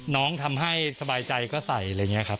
ทำให้สบายใจก็ใส่อะไรอย่างนี้ครับ